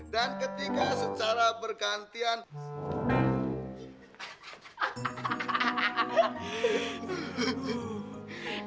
dan ketika ketika saklar ditutup